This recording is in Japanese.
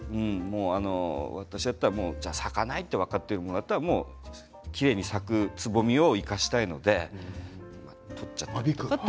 私だったら咲かないと分かっているものだったらきれいに咲くつぼみを生かしたいので取っちゃったりと。